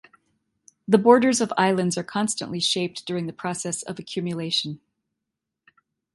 The borders of islands are constantly shaped during the process of accumulation.